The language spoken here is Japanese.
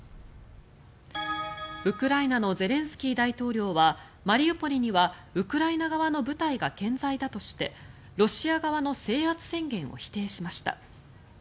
ウクライナのゼレンスキー大統領はマリウポリにはウクライナ側の部隊が健在だとしてロシア側の制圧宣言を否定しました。